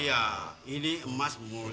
ya udah jangan